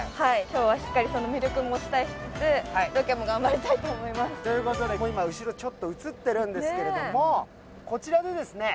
今日はしっかりその魅力もお伝えしつつロケも頑張りたいと思いますということでもう今後ろちょっと写ってるんですけれどもこちらでですね